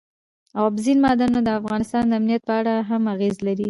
اوبزین معدنونه د افغانستان د امنیت په اړه هم اغېز لري.